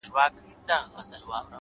خپل وخت په ارزښتناکو کارونو ولګوئ!